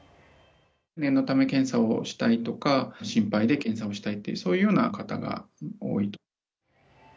念のため検査をしたいとか、心配で検査をしたいっていう、そういうような方が多いと。